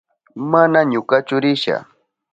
Mana ñukachu risha.